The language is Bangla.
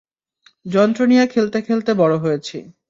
যন্ত্র নিয়ে খেলতে খেলতে বড় হয়েছি!